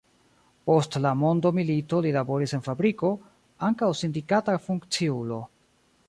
Post la mondomilito li laboris en fabriko, ankaŭ sindikata funkciulo.